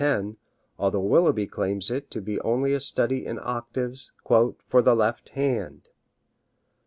10, although Willeby claims it to be only a study in octaves "for the left hand"!